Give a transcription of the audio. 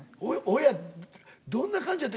親どんな感じやった？